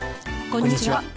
こんにちは。